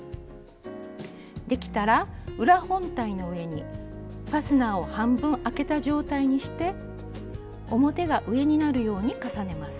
できたら裏本体の上にファスナーを半分開けた状態にして表が上になるように重ねます。